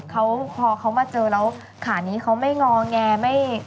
เขาพอเขามาเจอแล้วขานี้เขาไม่งอแงไม่